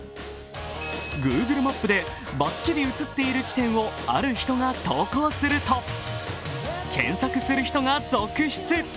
グーグルマップでばっちり写っている地点をある人が投稿すると検索する人が続出。